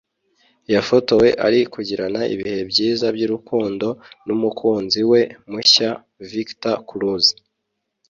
yafotowe ari kugirana ibihe byiza by’urukundo n’umukunzi we mushya Victor Cruz